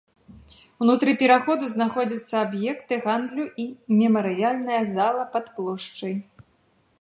Унутры пераходу знаходзяцца аб'екты гандлю і мемарыяльная зала пад плошчай.